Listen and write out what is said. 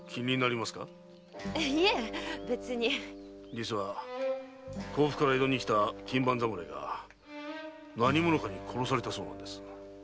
実は甲府から江戸に来た勤番侍が何者かに殺されたそうなんです。